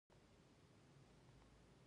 افغانستان د شعر او ادب هیواد دی